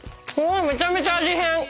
めちゃめちゃ味変。